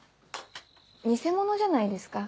偽物じゃないですか。